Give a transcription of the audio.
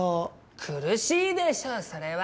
苦しいでしょそれは！